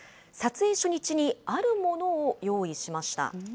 撮影初日にあるものを用意しました。